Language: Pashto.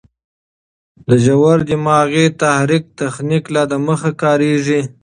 د ژور دماغي تحريک تخنیک لا دمخه کارېږي.